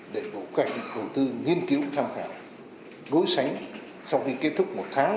để bộ kế hoạch đầu tư nghiên cứu tham khảo đối sánh sau khi kết thúc một tháng